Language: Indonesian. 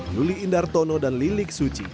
luli indartono dan lilik suci